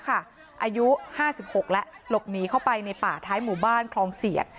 อายุ๕๖แล้วหลบหนีเข้าไปในป่าท้ายหมู่บ้านคลองเสียด